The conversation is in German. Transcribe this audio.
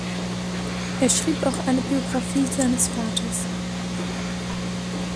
Er schrieb auch eine Biografie seines Vaters.